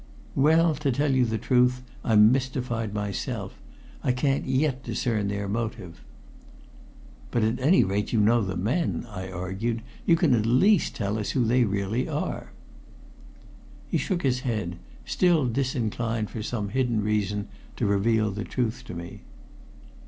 "Well, to tell you the truth, I'm mystified myself. I can't yet discern their motive." "But at any rate you know the men," I argued. "You can at least tell us who they really are." He shook his head, still disinclined, for some hidden reason, to reveal the truth to me.